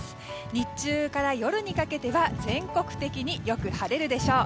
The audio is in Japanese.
日中から夜にかけては全国的によく晴れるでしょう。